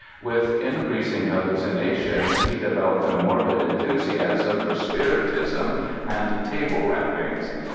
With increasing hallucinations he developed a morbid enthusiasm for spiritism and table rappings.